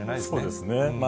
そうですね。